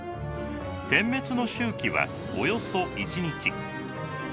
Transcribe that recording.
点滅の周期はおよそ１日。